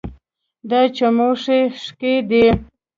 دا چموښي ښکي دي